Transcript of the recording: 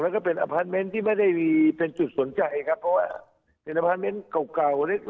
แล้วก็เป็นอพาร์ทเมนต์ที่ไม่ได้มีเป็นจุดสนใจครับเพราะว่าเป็นอพาร์ทเมนต์เก่าเก่า